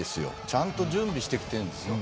ちゃんと準備してきてるんですよ。